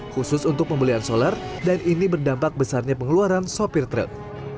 khusus untuk pembelian solar dan ini berdampak besarnya pengeluaran sopir truk